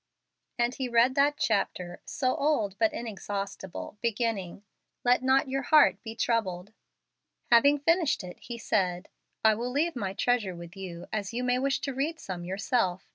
And he read that chapter, so old but inexhaustible, beginning, "Let not your heart be troubled." Having finished it, he said, "I will leave my treasure with you, as you may wish to read some yourself.